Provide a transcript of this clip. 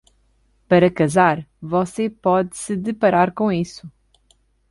Para casar, você pode se deparar com isso.